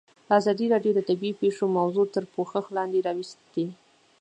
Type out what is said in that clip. ازادي راډیو د طبیعي پېښې موضوع تر پوښښ لاندې راوستې.